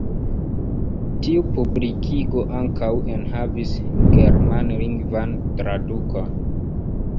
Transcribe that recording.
Tiu publikigo ankaŭ enhavis germanlingvan tradukon.